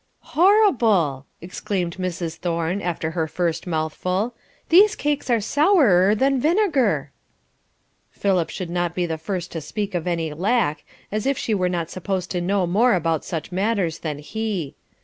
"Horrible!" exclaimed Mrs. Thorne, after her first mouthful; "these cakes are sourer than vinegar." Philip should not be the first to speak of any lack, as if she were not supposed to know more about such matters than he.